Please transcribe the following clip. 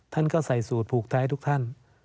ท่านก็ใส่สูตรผูกท้ายทุกท่าน